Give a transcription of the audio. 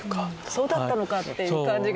そうだったのかっていう感じがしましたね。